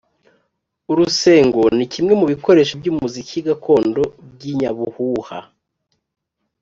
Urusengo, ni kimwe mu bikoresho by’umuziki gakondo by’inyabuhuha.